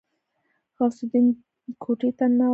غوث الدين کوټې ته ننوت.